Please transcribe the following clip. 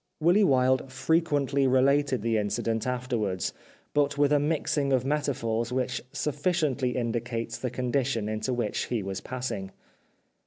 Willy Wilde frequently related the incident afterwards, but with a mixing of metaphors which sufhciently indicates the condition into which he was passing.